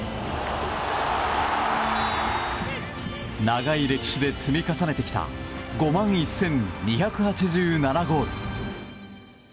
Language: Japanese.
長い歴史で積み重ねてきた５万１２８７ゴール。